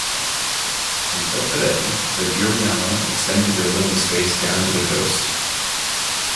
Until today, the Giriama extended their living space down to the coast.